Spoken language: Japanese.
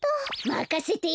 まかせて！